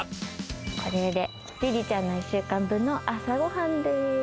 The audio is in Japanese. これでりりちゃんの１週間分の朝ごはんです。